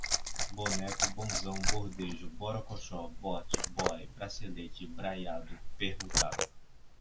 boneco, bonzão, bordejo, borocochô, bote, boy, bracelete, braiado, permutado